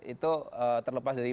itu terlepas dari